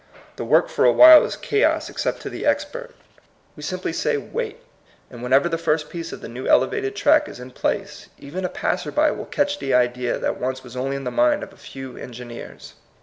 The work for a while is chaos except to the expert. But 70 THE COMING PEOPLE. we simply say, Wait, and whenever the first piece of the new elevated track is in place, even a passer by will catch the idea that once was only in the mind of a few engineers.